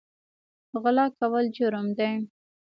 غلا کول جرم دی